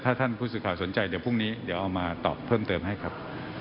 ถ้าท่านผู้สื่อข่าวสนใจเดี๋ยวพรุ่งนี้เดี๋ยวเอามาตอบเพิ่มเติมให้ครับ